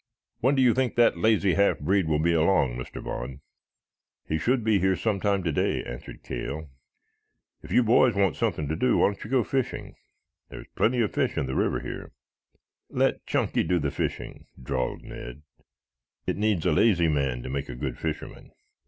When do you think that lazy half breed will be along, Mr. Vaughn?" "He should be here some time today," answered Cale. "If you boys want something to do why don't you go fishing? There's plenty of fish in the river here." "Let Chunky do the fishing," drawled Ned. "It needs a lazy man to make a good fisherman."